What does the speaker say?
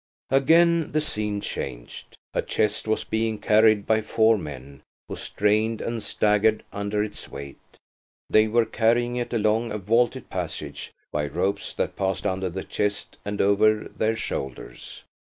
Again the scene changed. A chest was being carried by four men, who strained and staggered under its weight. They were carrying it along a vaulted passage by ropes that passed under the chest and over their shoulders.